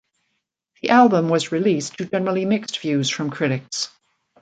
The album was released to generally mixed reviews from critics.